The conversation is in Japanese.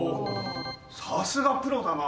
さすがプロだな！